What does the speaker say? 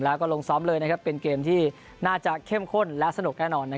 และนั่นไม่เป็นปัญหาของเรา